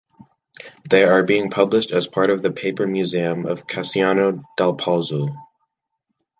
They are being published as part of "The Paper Museum of Cassiano dal Pozzo".